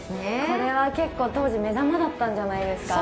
これは、結構、当時、目玉だったんじゃないですか？